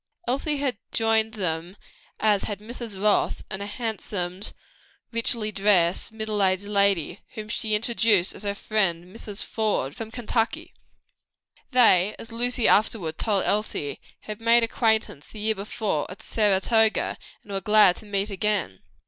Elsie had joined them; Mrs. Ross, too, and a handsome, richly dressed, middle aged lady, whom she introduced as her friend, Mrs. Faude, from Kentucky. They, as Lucy afterward told Elsie, had made acquaintance the year before at Saratoga, and were glad to meet again.